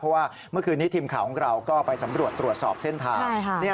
เพราะว่าเมื่อคืนนี้ทีมข่าวของเราก็ไปสำรวจตรวจสอบเส้นทาง